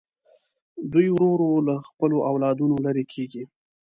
دوی ورو ورو له خپلو اولادونو لرې کېږي.